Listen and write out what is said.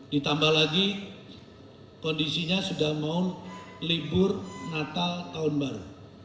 ditambah lagi kondisinya sudah mau libur natal tahun baru